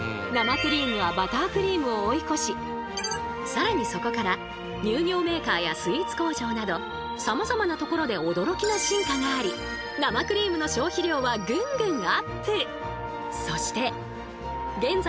更にそこから乳業メーカーやスイーツ工場などさまざまなところで驚きの進化があり生クリームの消費量はぐんぐんアップ！